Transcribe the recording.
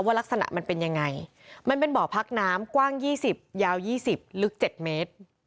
ลักษณะมันเป็นยังไงมันเป็นบ่อพักน้ำกว้าง๒๐ยาว๒๐ลึก๗เมตร